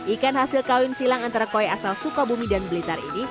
ikan hasil kawin silang antara koi asal sukabumi dan blitar ini